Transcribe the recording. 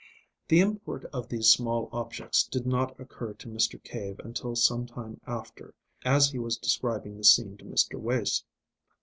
The import of these small objects did not occur to Mr. Cave until some time after, as he was describing the scene to Mr. Wace.